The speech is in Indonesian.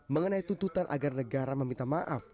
mengenai tuntutan agar negara meminta maaf